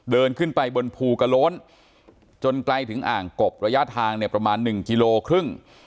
เดินขึ้นไปบนภูกระโล้นจนไกลถึงอ่างกบระยะทางเนี่ยประมาณ๑กิโลครึ่ง